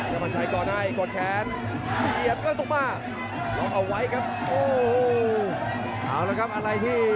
ช้าพันชายเอาพึกให้ช้าฝีมือในช่วงบรรยาก